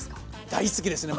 大好きですね